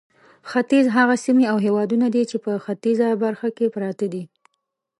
ختیځ هغه سیمې او هېوادونه دي چې په ختیځه برخه کې پراته دي.